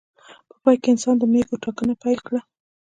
په پای کې انسان د مېږو ټاکنه پیل کړه.